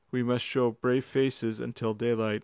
We must show brave faces until daylight."